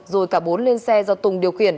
rồi cả bốn lên xe do tùng điều khiển